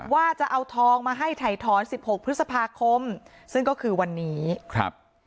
ว่าจะเอาทองมาให้ถ่ายถอนสิบหกพฤษภาคมซึ่งก็คือวันนี้ครับ